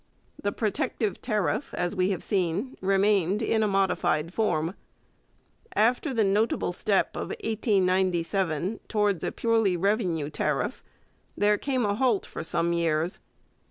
The protective tariff, as we have seen, remained in a modified form. After the notable step of 1897 towards a purely revenue tariff, there came a halt for some years.